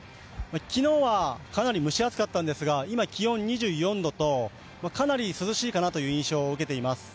昨日はかなり蒸し暑かったんですが、今、気温２４度とかなり涼しいかなという印象を受けています。